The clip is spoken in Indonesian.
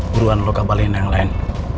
buruan lo ke balik dengan lain